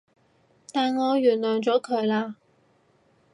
但我原諒咗佢喇